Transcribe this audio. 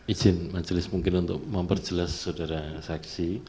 izin majelis mungkin untuk memperjelas saudara saksi